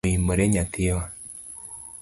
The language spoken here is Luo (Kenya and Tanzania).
Oimore nyathiwa?